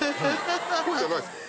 こうじゃないですか？